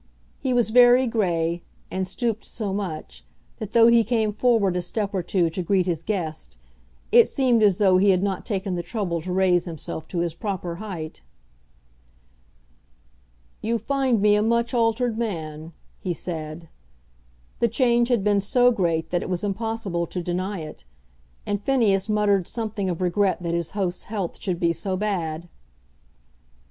He was very grey, and stooped so much, that though he came forward a step or two to greet his guest, it seemed as though he had not taken the trouble to raise himself to his proper height. "You find me a much altered man," he said. The change had been so great that it was impossible to deny it, and Phineas muttered something of regret that his host's health should be so bad.